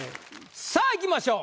さあいきましょう。